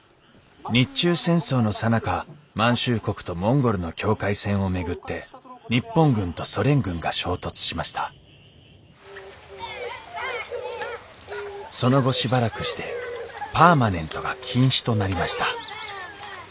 日中戦争のさなか満州国とモンゴルの境界線を巡って日本軍とソ連軍が衝突しましたその後しばらくしてパーマネントが禁止となりました